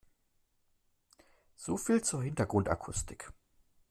So viel zur Hintergrundakustik.